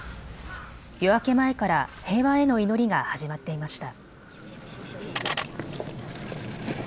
夜明け前から平和への祈りが始まっていました。